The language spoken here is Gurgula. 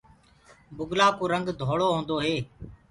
بُگلآ ڪو رنگ ڌوݪو هوندو هي۔